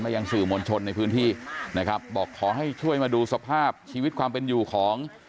ยังสื่อมวลชนในพื้นที่นะครับบอกขอให้ช่วยมาดูสภาพชีวิตความเป็นอยู่ของ